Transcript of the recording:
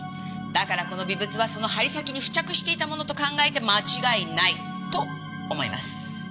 だからこの微物はその針先に付着していたものと考えて間違いない。と思います。